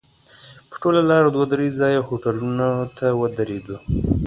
په ټوله لاره دوه درې ځایه هوټلونو ته ودرېدو.